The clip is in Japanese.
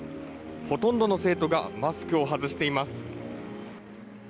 ほとんどの生徒がマスクを外しています。